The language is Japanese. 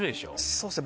そうですね